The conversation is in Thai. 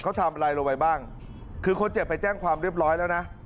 เขาทำอะไรลงไปบ้างคือคนเจ็บไปแจ้งความเรียบร้อยแล้วนะ